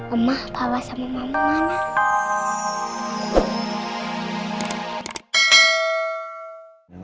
rumah bawa sama mama mana